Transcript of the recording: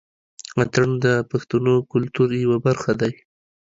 اتڼ د پښتنو کلتور يوه برخه دى.